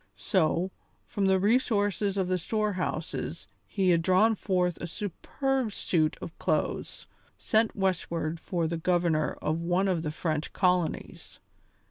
So, from the resources of the storehouses he had drawn forth a superb suit of clothes sent westward for the governor of one of the French colonies.